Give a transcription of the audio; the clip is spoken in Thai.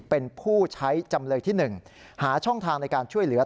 เป็นผู้ใช้จำเลยที่๑หาช่องทางในการช่วยเหลือ